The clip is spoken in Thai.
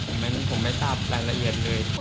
ผมไม่ทราบรายละเอียดเลย